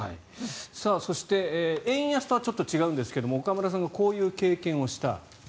そして、円安とはちょっと違うんですが岡村さんがこういう経験をした。